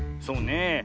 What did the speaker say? そうねえ。